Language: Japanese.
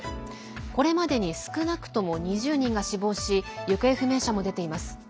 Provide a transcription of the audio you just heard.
これまでに少なくとも２０人が死亡し行方不明者も出ています。